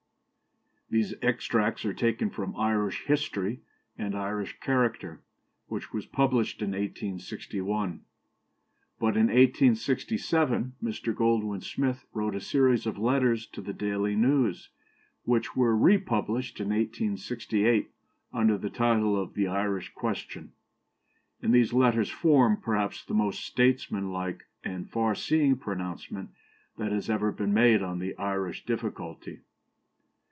" These extracts are taken from Irish History and Irish Character, which was published in 1861. But in 1867 Mr. Goldwin Smith wrote a series of letters to the Daily News, which were republished in 1868 under the title of The Irish Question; and these letters form, perhaps, the most statesmanlike and far seeing pronouncement that has ever been made on the Irish difficulty.